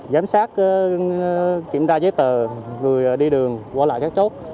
giám sát kiểm tra giấy tờ người đi đường qua lại các chốt